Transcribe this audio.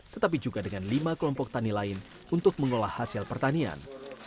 tetapi juga dengan lima kelompok tani lain untuk mengolah hasil pertanian